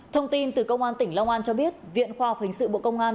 thông tin từ công an tỉnh long an cho biết viện khoa học hình sự bộ công an